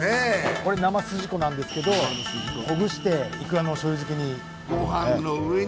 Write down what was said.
これ生すじこなんですけどほぐしていくらの醤油漬けに。